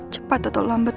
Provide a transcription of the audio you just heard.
cepat atau lambat